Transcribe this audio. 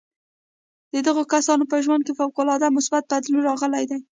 د دغو کسانو په ژوند کې فوق العاده مثبت بدلون راغلی دی